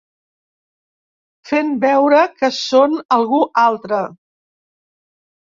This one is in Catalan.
Fent veure que són algú altre.